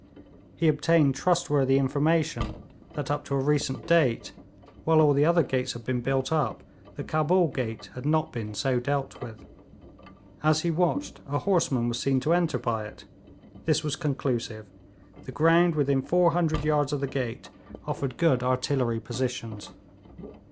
He obtained trustworthy information that up to a recent date, while all the other gates had been built up, the Cabul gate had not been so dealt with. As he watched, a horseman was seen to enter by it. This was conclusive. The ground within 400 yards of the gate offered good artillery positions.